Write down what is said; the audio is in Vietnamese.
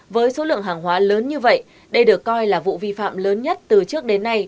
với số lượng hàng hóa lớn như vậy đây được coi là vụ vi phạm lớn nhất từ trước đến nay